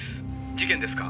事件ですか？